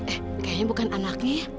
eh kayaknya bukan anaknya ya